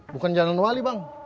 bukan jalan wali bang